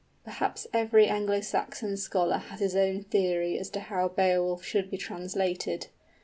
Perhaps every Anglo Saxon scholar has his own theory as to how Beowulf should be translated.